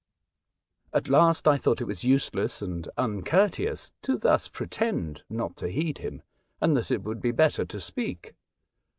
At last I thought it was useless and un courteous to thus pretend not to heed him, and that it would be better to speak.